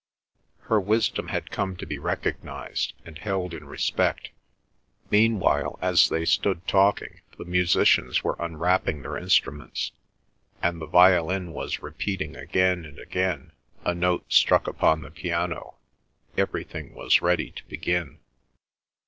Her wisdom had come to be recognised, and held in respect. Meanwhile as they stood talking, the musicians were unwrapping their instruments, and the violin was repeating again and again a note struck upon the piano. Everything was ready to begin.